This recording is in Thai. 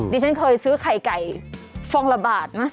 ดิฉันเคยซื้อไข่ไก่ฟองละบาทไหม